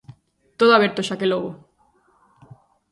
Todo aberto xa que logo.